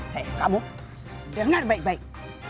hei kamu dengar baik baik